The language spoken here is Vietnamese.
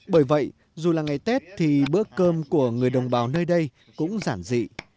bởi vậy dù là ngày tết thì bữa cơm của người đồng bào nơi đây cũng giản dị